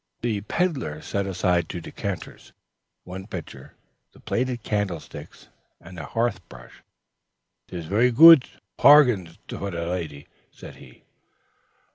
The peddler set aside two decanters, one pitcher, the plated candlesticks, and a hearth brush. "Tish ver goot pargains for te lady," said he.